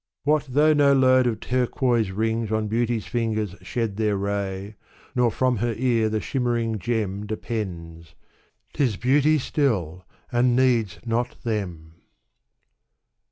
What though no load Of turquoise rings on Beauty's fingers shed Their ray, nor from her ear the shimmering gem Depends ; 'tis Beauty still, and needs not them.